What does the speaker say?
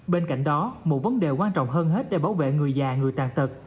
bên cạnh đó một vấn đề quan trọng hơn hết để bảo vệ người già người tàn tật